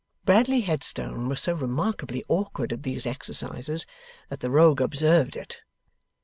Bradley Headstone was so remarkably awkward at these exercises, that the Rogue observed it.